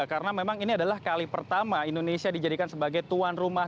karena memang ini adalah kali pertama indonesia dijadikan sebagai tuan rumah